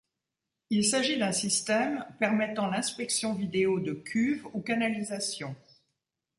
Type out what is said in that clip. Il s'agit d'un système permettant l'inspection vidéo de cuve ou canalisation.